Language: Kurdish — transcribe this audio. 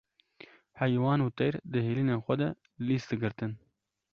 heywan û teyr di hêlînên xwe de lîs digirtin.